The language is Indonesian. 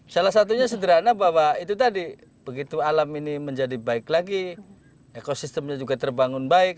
salah satunya sederhana bahwa itu tadi begitu alam ini menjadi baik lagi ekosistemnya juga terbangun baik